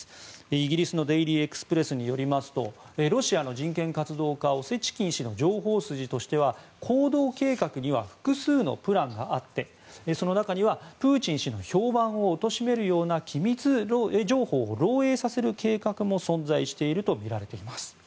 イギリスのデイリー・エクスプレスによりますとロシアの人権活動家オセチキン氏の情報筋としては行動計画には複数のプランがあってその中にはプーチン氏の評判を貶めるような機密情報を漏洩させる計画も存在しているとみられています。